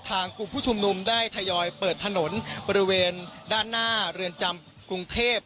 กลุ่มผู้ชุมนุมได้ทยอยเปิดถนนบริเวณด้านหน้าเรือนจำกรุงเทพ